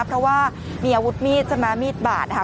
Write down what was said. เพราะว่ามีอาวุธมีดจะมามีดบาดค่ะ